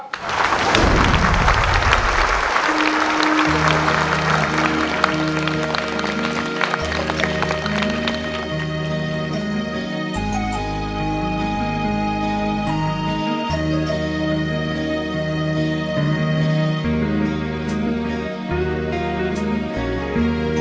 คุณสะสมมูลค่า